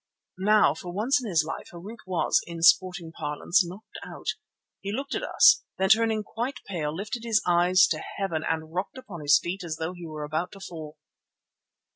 Now for once in his life Harût was, in sporting parlance, knocked out. He looked at us, then turning quite pale, lifted his eyes to heaven and rocked upon his feet as though he were about to fall.